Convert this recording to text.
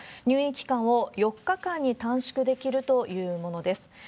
入院期間を４日間に短縮できるというものです。